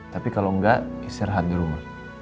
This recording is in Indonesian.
tapi kalau enggak istirahat dulu